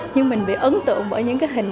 nhưng mình bị ấn tượng bởi những cái hình